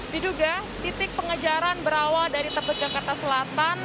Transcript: diduga titik pengejaran berawal dari tebet jakarta selatan